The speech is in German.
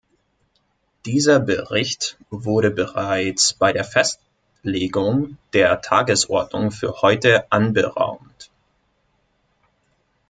Dieser Bericht wurde bereits bei der Festlegung der Tagesordnung für heute anberaumt.